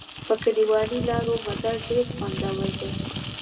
په کلیوالي لارو مزل ډېر خوندور دی.